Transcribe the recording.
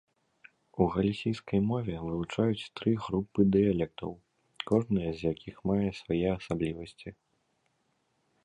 У галісійскай мове вылучаюць тры групы дыялектаў, кожная з якіх мае свае асаблівасці.